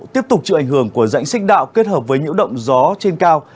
tiếp tục chịu ảnh hưởng của dãnh sích đạo kết hợp với những động gió trên cao